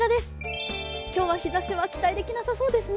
今日は日ざしは期待できなさそうですね。